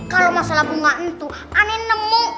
kalau masalah bunga entu aneh nemu